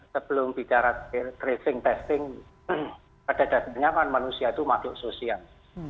sebelum bicara tracing testing pada dasarnya kan manusia itu makhluk sosial